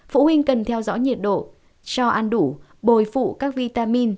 phụ huynh cần theo dõi nhiệt độ cho ăn đủ bồi phụ các vitamin